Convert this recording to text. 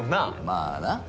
まあな。